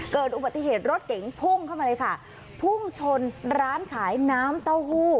เกิดอุบัติเหตุรถเก๋งพุ่งเข้ามาเลยค่ะพุ่งชนร้านขายน้ำเต้าหู้